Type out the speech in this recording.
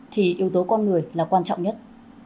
thì yếu tố con người là quan trọng nhất